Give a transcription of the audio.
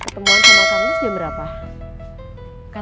besok berangkatnya berapa